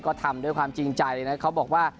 ก็ทำความจริงใจเลยนะเขาบอกว่า